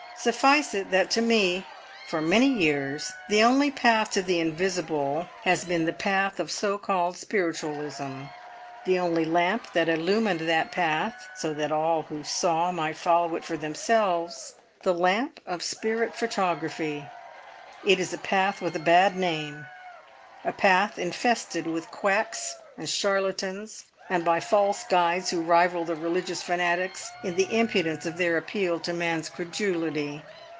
Suffice it that to me, for many years, the only path to the Invisible has been the path of so called spiritualism; the only lamp that illumined that path, so that all who saw might follow it for themselves, the lamp of spirit photography. It is a path with a bad name, a path infested with quacks and charlatans, and by false guides who rival the religious fanatics in the impudence of their appeal to man's credulity.